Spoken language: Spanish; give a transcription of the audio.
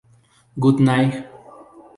Good night.